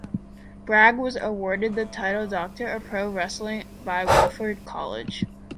Bragg was awarded the title Doctor of Pro Wrestling by Wofford College.